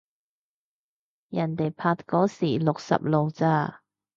人哋拍嗰時六十路咋